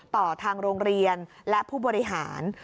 ต่อทางโรงเรียนและผู้บริหาร